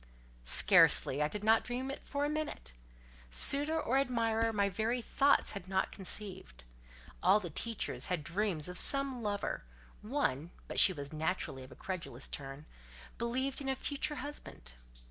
Scarcely: I did not dream it for a moment. Suitor or admirer my very thoughts had not conceived. All the teachers had dreams of some lover; one (but she was naturally of a credulous turn) believed in a future husband.